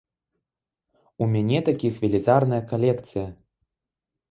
У мяне такіх велізарная калекцыя!